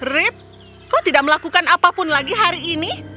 rip kok tidak melakukan apapun lagi hari ini